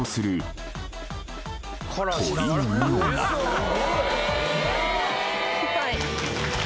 はい。